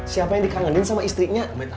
siapa yang dikangenin sama istrinya